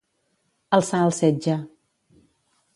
Alçar el setge.